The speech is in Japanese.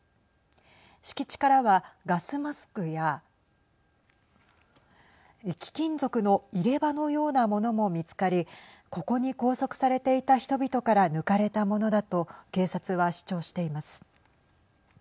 敷地からは、ガスマスクや貴金属の入れ歯のようなものも見つかりここに拘束されていた人々から抜かれたものだと警察は主張しています。